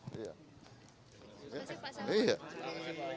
terima kasih pak sahabat